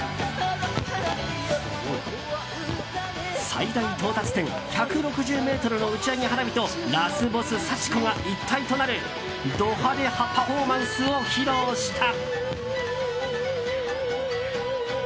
最大到達点１６０ｍの打ち上げ花火とラスボス・幸子が一体となるド派手パフォーマンスを披露した。